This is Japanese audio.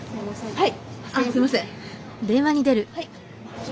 はい。